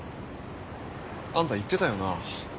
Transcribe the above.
あんた言ってたよな。